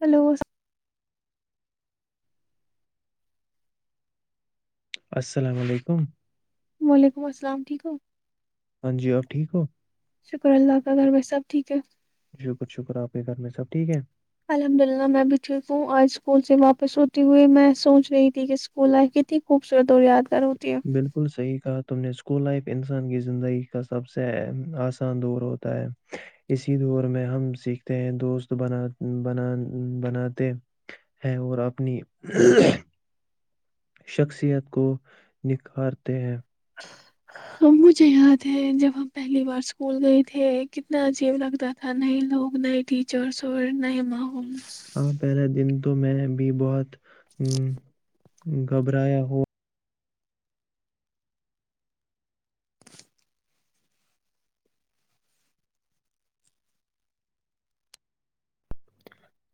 hello السلام علیکم وعلیکم السلام ٹھیک ہو ہاں جی اور ٹھیک ہو شکر اللہ کا گھر ب سب ٹھیک ہے شکر شکر آپ کے گھر میں سب ٹھیک ہے الحمد للہ میںت بھی ٹھک ہوں آج اسکول سے واپس ہوتے ہوئے میں سوچ رہی تھی کہ اسکول لائف کتنی خوبصورت اور یاد بالکل صحیح کہا تم نے اس اسکول لائف انسان کی زندگی کا سب سے آسان دور ہوتا ہے اسی دور میں ہم سیکھتے ہیں دوست بنا بن بناتے ہیں اور اپنی شخصیت کو نکھارتے ہیں ا مجھے یاد ہے جب ہم پہلی بار اسکول گئے تھے کتنا عجیب لگتا تھا نئے لوگ نئے ٹیچرس اور نئے ماحول ہاں پہلاے دن تو میں بھی بہت گھبرایا ہوں [unintelligible]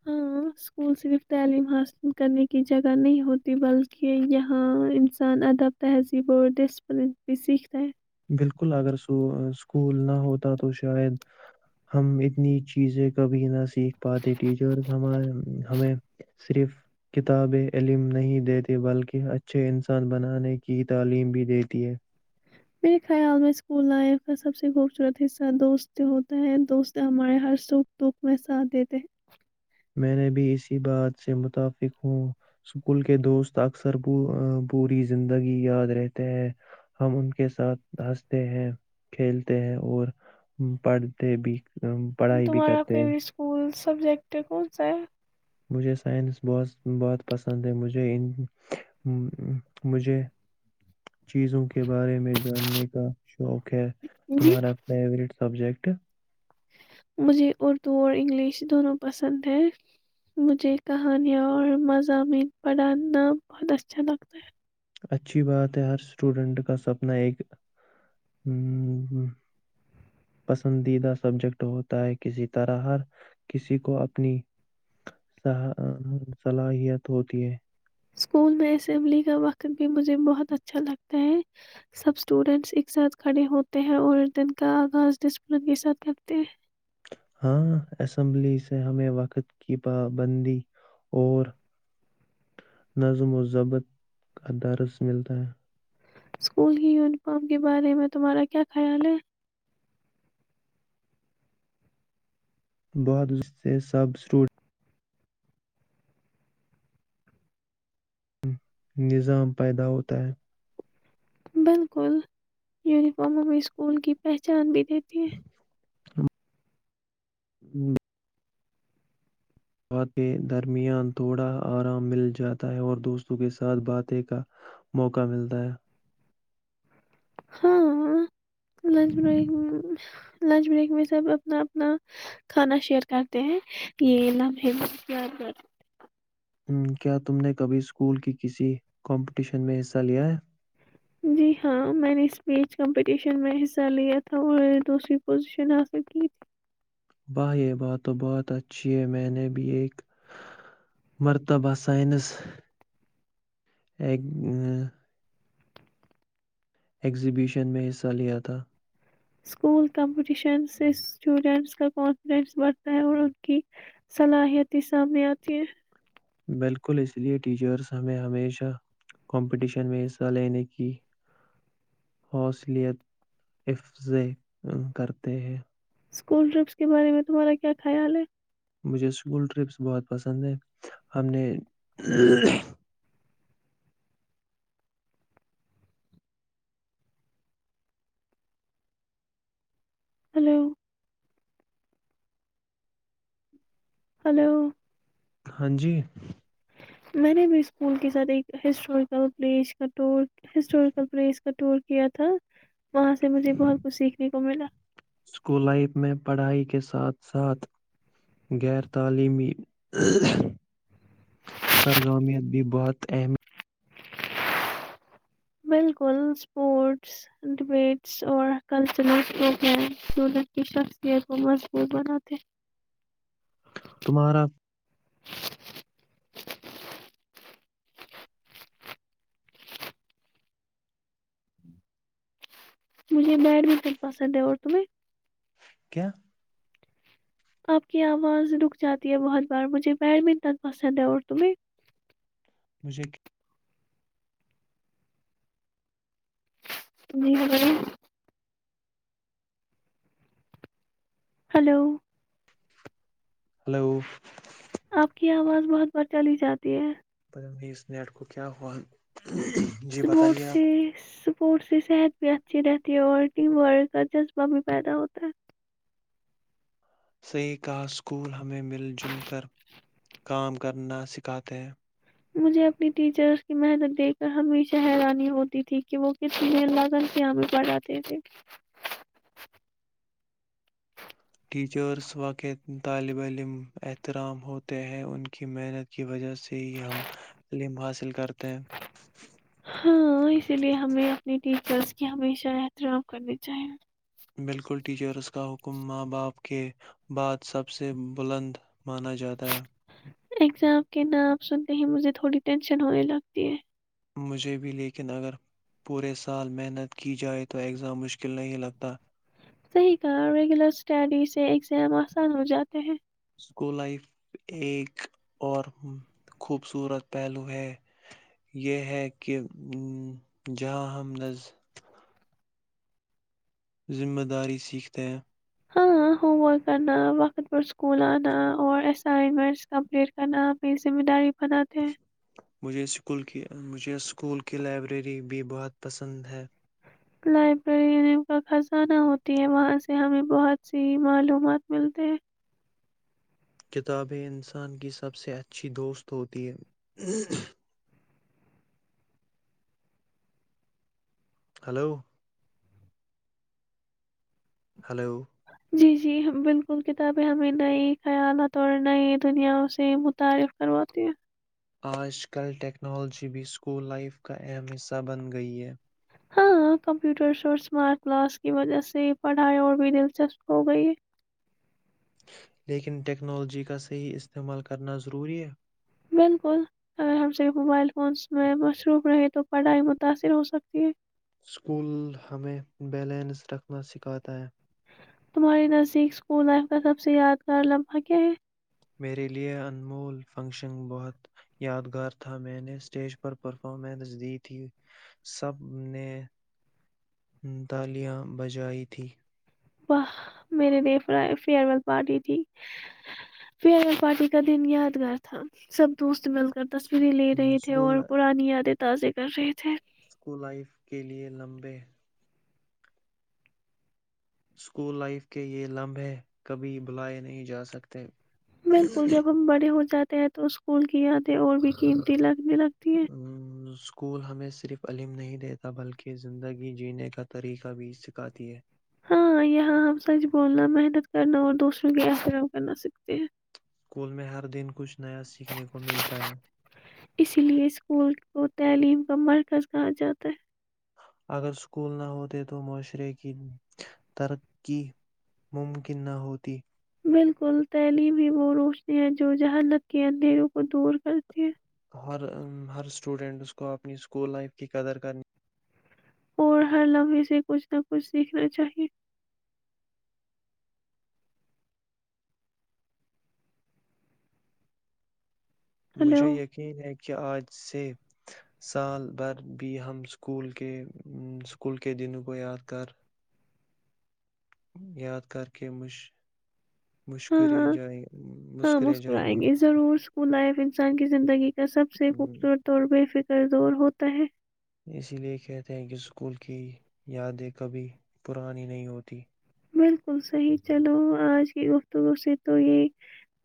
ہاں سکول صرف تعلیم حاصل کرنے کی جگہ نہیں ہوتی بلکہ یہاں انسان ادب تہذیب اور ڈسپلن بھی سیکھتا ہے بالکل اگر سو سکول نہ ہوتا تو شاید ہم اتنی چیزیں کبھی نہ سیکھ پاتے ٹیچرز ہم ہمیں صرف کتاب علم نہیں دیتے بلکہ اچھے انسان بنانے کی تعلیم بھی دیتی ہے میرے خیال میں سکول لائف کا سب سے خوبصورت حصہ دوست ہوتا ہے دوست ہمارے ہر سکھ دکھ میں ساتھ دیتے ہیں میں نے بھی اسی بات سے متفق ہوں سکول کے دوست اکثر پوری زندگی یاد رہتے ہیں ہم ان کے ساتھ ہنستے ہیں کھیلتے ہیں اور پڑھتے بھی ہیں پڑھائی بھی تمہارا کرتے ہیں فیوریٹ اسکول سبجیکٹ کون سا ہے مجھے سائنس بہت بہت پسند ہے مجھے ان مجھے چیزوں کے بارے میں جاننے کا شوق ہے جی تمہارا فیورٹ سبجیکٹ [unintelligible] مجھے اردو اور انگلش دونوں پسند ہے مجھے کہانیاں اور مضامین پڑھانا بہت اچھا لگتا ہے اچھی بات ہے ہر سٹوڈینٹ کا سپنا ایک ہمم پسندیدہ سبجیکٹ ہوتا ہے کسی طرح ہر کسی کو اپنی صلاحیت ہوتی ہے سکول میں اسمبلی کا وقت بھی مجھے بہت اچھا لگتا ہے سب سٹوڈینٹس ایک ساتھ کھڑے ہوتے ہیں اور دن کا آغاز ڈسپلن کے ساتھ کرتے ہیں ہاں اسمبلی سے ہمیں وقت کی پابندی اور نظم و ضبط کا درس ملتا ہے سکول کی یونیفارم کے بارے میں تمہارا کیا خیال ہے بہت اس سے سب سٹوڈ نظام پیدا ہوتا ہے بالکل یونیفارم ہم میں سکول کی پہچان بھی دیتی ہے ہمم [unintelligible] کے درمیان تھوڑا ارام مل جاتا ہے اور دوستوں کے ساتھ باتیں کا موقع ملتا ہے ہاں لنچ بریک لنچ بریک میں سب اپنا اپنا کھانا شیئر کرتے ہیں یہ لام پیار کر کیا تم نے کبھی اسکول کی کسی کمپٹیشن میں حصہ لیا ہے جی ہاں میں نے اسپیچ کمپٹیشن میں حصہ لیا تھا اور دوسری پوزیشن حاصل کی تھی باہ بات تو بہت اچھی ہے میں نے بھی ایک مرتبہ سائنس ایک ایگزیبیشن میں حصہ لیا تھا اسکول کمپٹیشن سے اسٹوڈینٹس کا کانفیڈینس بڑھتا ہے اور ان کی صلاحیتیں سامنے آتی ہے بالکل اس لیے ٹیچرس ہمیں ہمیشہ کمپٹیشن میں حصہ لینے کی حوصلیت افظے کرتے ہیں اسکول ٹرپس کے بارے میں تمہارا کیا خیال ہے مجھے اسکول ٹرپس بہت پسند ہیں ہم نے ہلو [unintelligible] ہلو [unintelligible] ہاں جی [unintelligible] میں نے بھی اسکول کے ساتھ ایک ہسٹوریکل پلیس کا ٹور ہسٹوریکل پلیس کا ٹور کیا تھا وہاں سے مجھے بہت کچھ سیکھنے ر ملا [unintelligible] اسکول لائف میں پڑھائی کے ساتھ ساتھ غیر تعلیمی سرگرمیت بھی بہت اہم ہے بالکل اسپورٹس ڈبیٹس اور کلچرل پروگرام سون کی شخصیت کو مضبوط بناتے تمہارا [unintelligible] مجھے بیڈمنٹن پسند ہے اور تمہیں کیا [unintelligible] آپ کی آواز رک جاتی ہے بہت بار مجھے بیڈمنٹن پسند ہے اور تمیں مجھے [unintelligible] جی ب رہے ہلو [unintelligible] ہلو [unintelligible] آپ کی آواز بہت بڑ چلی جاتی ہے اس نیٹ کو کیا ہوا جی بٹ بتائیے سے آپ [unintelligible] اسپورٹس کی صحت بھی اچھی رہتی ہے اور ٹیم ورک کا جذبہ بھی پیدا ہوتا ہے صحیح کہا اسکول ہمیں مل جل کر کام کرنا سکھاتے ہیں مجھے اپنی ٹیچرس کی محنت دیک کر ہمیشہ حیرانی ہوتی تھی کہ وہ کس لی اللہ تن سیام پڑھاتے تھے ٹیچرس واقع طالب علم احترام ہوتے ہیں ان کی محنت کی وجہ سے سے ہی ہم علم حاصل کرتے ہیں بس کی ہمیشہ احترام کرنی چاہیے بالکل ٹیچرز کا حکم ماں باپ کے بعد سب سے بلند مانا جاتا ہے اگزام کے نام سنتے ہی مجھے تھوڑی ٹینشن ہونے لگتی ہے مجھے بھی لیکن اگر پورے سال محنت کی جائے تو ایگزام مشکل نہیں لگتا صحیح کہا ریگولر اسٹڈی سے ایگزام آسان ہو جاتے ہیں اسکول لائف ایک اور خوبصورت پہلو ہے یہ ہے کہ جہاں ہم نز ذمہ داری سیکھتے ہیں ہاں ہوم ورک کرنا وقت پر اسکول آنا اور اسائنمنٹس کمپلیٹ کرنا اپنی ذمہ داری بناتے مجھے اسکول کی مجھے اسکول کی لائبریری بھی بہت پسند ہے لائبریری خزانہ ہوتی ہے وہاں سے ہمیں بہت سی معلومات ملتے ہیں کتابیں انسان کی سب سے اچھی دوست ہوتی ہیں ہلو [unintelligible] ہلو جی جی بالکل کتابیں ہمیں نئی خیالت اور نئی دنیاؤ سے متعارف کرواتی ہیں آج کل ٹیکنالوجی بھی اسکول لائف کا اہم حصہ بن گئی ہے ہاں کمپیوٹرس اور اسمارٹ کلاس کی وجہ سے پڑھائی اور بھی دلچسپ ہو گئی ہے یکن ٹیکنالوجی کا صحیح استعمال کرنا ضروری ہے بالکل اگر ہم صرف موبائل فونس میں مصروف رہیں تو پڑھائی متاثر ہو سکتی ہے اسکول ہمیں بیلنس رکھنا سکھاتا ہے تمہاری نزدیک اسکول لائف کا سب سے یادگار لمحہ کیا ہے میرے لیے انمول فنکشن بہت یادگار تھا میں نے اسٹیج پر پرفارمنس دی تھی سب نے تالیاں بجائی تھیں واہ میرے د رائے فیئر ویل پارٹی تھی فیر ویل پارٹی کا دن یادگار تھا سب دوست مل کر تصویریں لے رہے تھے اور اسکول پرانی یادیں تازے کر رہے تھے اسکول لائف کے لیئے لمبے اسکول لائف کے یہ لمبے کبھی بلائے نہیں جا سکتے بالکل جب ہم بڑے ہو جاتے تحت وہ اسکول کیایاے اور بھی کیمتی ل ہ [unintelligible] اسکول ہمیں صرف علم نہیں دیتا بلکہ زندگی جینے کا طریقہ بھی سکھاتی ہے ہاں یہاں ہم سچ بولنا محنت کرنا اور دوسروں کے آشرام کرنا سیکھتے ہیں اسکول میں ہر دن کچھ نیا سیکھنے کو ملتا ہے اسی لیے اسکول کو تعلیم کا مرکز کہا جاتا ہے اگر اسکول نہ ہوتے تو معاشرے کی ترقی ممکن نہ ہوتی بالکل تیلیم ہی وہ روشنی ہے جو جہانت کے اندھیروں کو دور کرتی ہے ہر ہر اسٹوڈنٹ اس کو اپنی اسکول لائف کی قدر کرنی اور ہر لمحے سے کچھ نہ کچھ سیکھنا چاہیے ہلو مجھے یقین ہے کہ آج سے سال بھر بھی ہم اسکول کے اسکول کے دنوں کو یاد کرار یاد کر کے مجشھ ہاں مسکرے ہاں ج ہاں مسکرے جائیں مسکرائیں گے ضرور اسکول لائف انسان کی زندگی سب سے ام، خوبصورت دور ب کرزور ہوتا ہے اسی لئے کہتے ہیں کہ اسکول کی یادیں کبھی پرانی نہیں ہوتیں بالکل صحیح چلو آج کی گفتگو سے تو یہ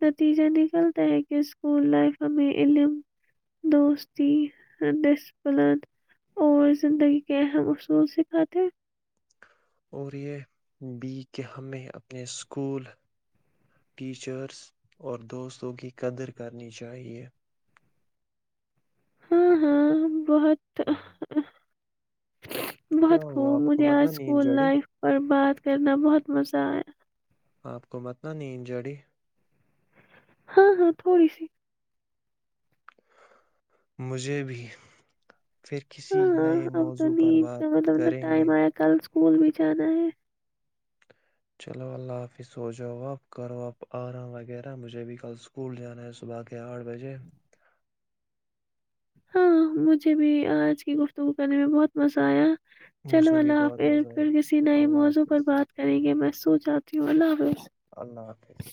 نتیجہ نکلتا ہے کہ اسکول لائف ہمیں علم دوستی ڈسپلن اور زندگی کے اہم اصول سکھاتے اور یہ بھی کہ ہمیں اپنے اسکول ٹیچرس اور دوستوں کی قدر کرنی چاہیے ہاں ہاں بہت بہت کیا خوب ہوا آپ کو مھے متنا نیند اسکول جڑی لائف پر بات کرنا بہت مزہ آیا آپ کو متنا نہیں ان جڑی ہاں ہاں تھوڑی سی مجھے بھی پھر کسی ہاں ہاں نئے اب تو موضوع پرر نیند بات کا مطلب کریں گے ٹائم آیا کل اسکول بھی جانا ہے چلو اللہ حافظ سو جاؤ آپ کرو آپ آرام وغیرہ مجھے بھی کل اسکول جانا ہے صبح کے آٹھ بجے ہاں مجھے بھی آج کی گفتگو کرنے میں بہت مزہ آیا چلو مجھے بھی اللہ آپ بہت مزہ پھر کسی آیا نئے اللہ موضوع پر حافظ بات کریں گے محسوس جاتیوں والو اللہ حافظ